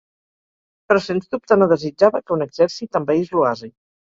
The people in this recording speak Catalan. Però, sens dubte, no desitjava que un exèrcit envaís l'oasi.